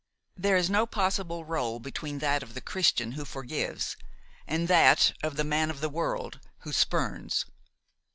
There is no possible rôle between that of the Christian who forgives and that of the man of the world who spurns.